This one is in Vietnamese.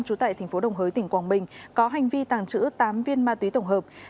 trú tại tp đồng hới tỉnh quảng bình có hành vi tàn trữ tám viên ma túy tổng hợp